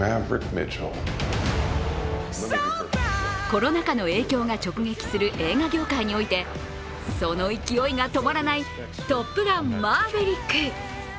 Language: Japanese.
コロナ禍の影響が直撃する映画業界においてその勢いが止まらない「トップガンマーヴェリック」。